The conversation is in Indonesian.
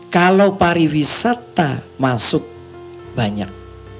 kalau pariwisata masuk banyak